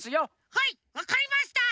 はいわかりました！